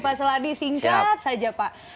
pak seladi singkat saja pak